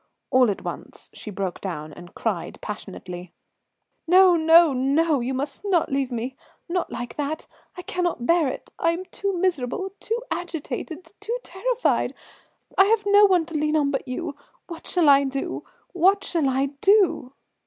All at once she broke down and cried passionately: "No, no, no; you must not leave me not like that. I cannot bear it; I am too miserable, too agitated, too terrified. I have no one to lean on but you. What shall I do? What shall I do?"